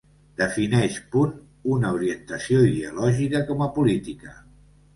Defineix punt una orientació ideològica com a política.